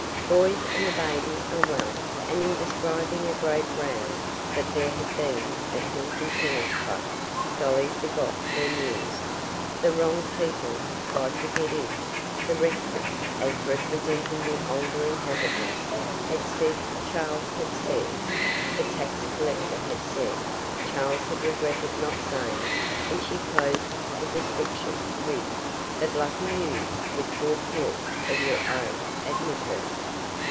Boys and the baby were well, and in describing a great row that there had been at Hilton Tennis Club, Dolly forgot her news. The wrong people had tried to get in. The rector, as representing the older inhabitants, had said Charles had said the tax collector had said Charles had regretted not saying and she closed the description with, "But lucky you, with four courts of your own at Midhurst."